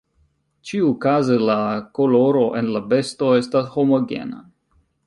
Ĉiukaze la koloro en la besto estas homogena.